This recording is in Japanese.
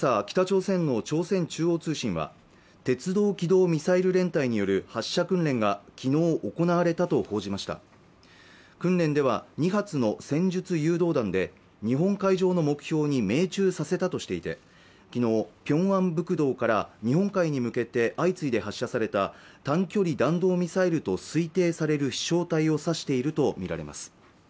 北朝鮮の朝鮮中央通信は鉄道機動ミサイル連隊による発射訓練がきのう行われたと報じました訓練では２発の戦術誘導弾で日本海上の目標に命中させたとしていて昨日ピョンアンブクドから日本海に向けて相次いで発射された短距離弾道ミサイルと推定される飛しょう体を指していると見られます